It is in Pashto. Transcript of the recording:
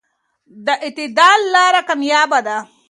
د اعتدال لاره کاميابه ده.